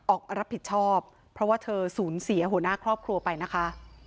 รับผิดชอบเพราะว่าเธอสูญเสียหัวหน้าครอบครัวไปนะคะ